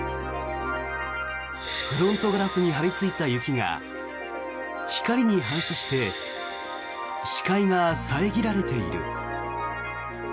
フロントガラスに張りついた雪が光に反射して視界が遮られている。